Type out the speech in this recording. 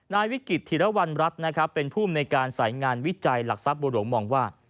นายวิกิจธิรวรรณรัฐเป็นผู้ในการสายงานวิจัยหลักทรัพย์บุหรวงมองว่า